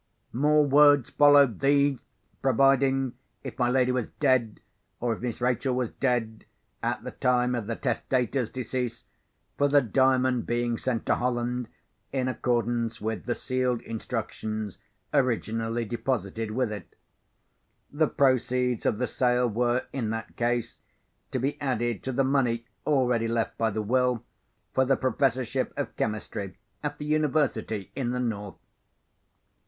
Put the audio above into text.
More words followed these, providing if my lady was dead, or if Miss Rachel was dead, at the time of the testator's decease, for the Diamond being sent to Holland, in accordance with the sealed instructions originally deposited with it. The proceeds of the sale were, in that case, to be added to the money already left by the Will for the professorship of chemistry at the university in the north.